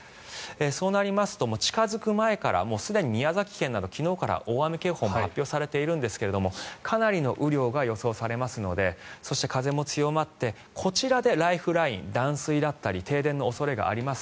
そうなりますと近付く前からすでに宮崎県などでは昨日から大雨警報も発表されているんですがかなりの雨量が予想されますのでそして、風も強まってこちらでライフライン断水だったり停電の恐れがあります。